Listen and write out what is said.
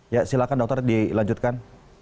ya silakan dokter dilanjutkan